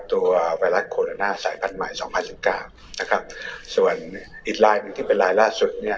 ไวรัสโคโรนาสายพันธุ์ใหม่สองพันสิบเก้านะครับส่วนอีกลายหนึ่งที่เป็นลายล่าสุดเนี่ย